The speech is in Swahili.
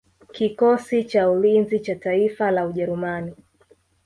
Kikosi cha ulinzi cha taifa la Ujerumani